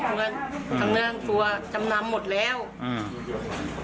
เพราะฉะนั้นทางนั้นตัวจำน้ำหมดแล้วอืม